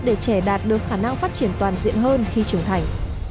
để trẻ đạt được khả năng phát triển toàn diện hơn khi trưởng thành